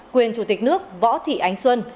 quyền chủ tịch nước võ thị ánh xuân